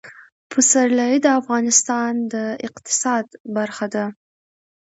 پسرلی د افغانستان د اقتصاد برخه ده.